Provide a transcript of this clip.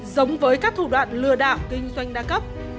giống với các thủ đoạn lừa đảo kinh doanh đa cấp